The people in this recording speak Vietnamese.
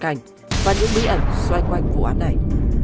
cảnh và những bí ẩn xoay quanh vụ án này